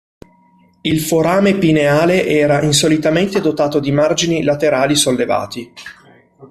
Il forame pineale era insolitamente dotato di margini laterali sollevati.